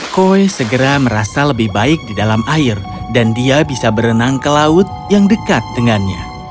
koi segera merasa lebih baik di dalam air dan dia bisa berenang ke laut yang dekat dengannya